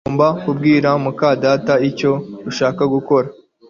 Ugomba kubwira muka data icyo ushaka gukora